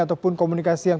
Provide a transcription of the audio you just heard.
ataupun komunikasi yang